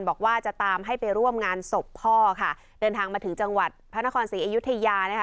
บอกว่าจะตามให้ไปร่วมงานศพพ่อค่ะเดินทางมาถึงจังหวัดพระนครศรีอยุธยานะคะ